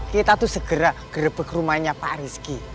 kita tuh segera gerebek rumahnya pak rizky